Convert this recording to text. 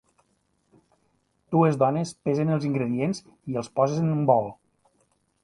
Dues dones pesen els ingredients i els posen en un bol.